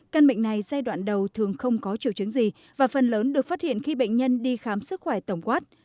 căn bệnh này giai đoạn đầu thường không có triều chứng gì và phần lớn được phát hiện khi bệnh nhân đi khám sức khỏe tổng quát